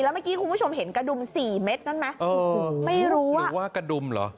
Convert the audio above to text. แล้วเมื่อกี้คุณผู้ชมเห็นกระดุมสี่เม็ดนั่นไหมไม่รู้หรือว่ากระดุมเหรอ